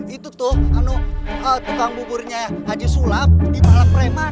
itu tuh tukang bukurnya haji sulam di malam preman